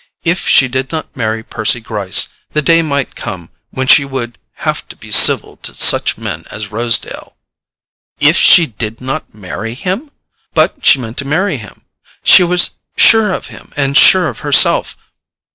If she did not marry Percy Gryce, the day might come when she would have to be civil to such men as Rosedale. IF SHE DID NOT MARRY HIM? But she meant to marry him—she was sure of him and sure of herself.